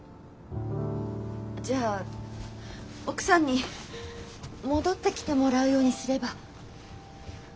じゃあ奥さんに戻ってきてもらうようにすれば。